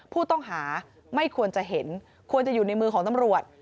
ผู้ต้องหาไม่ควรจะเห็นควรจะอยู่ในมือของตำรวจ